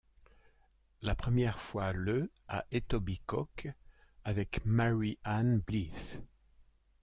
La première fois le à Etobicoke avec Mary Anne Blyth.